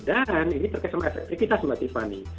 dan ini terkait sama efektivitas mbak tiffany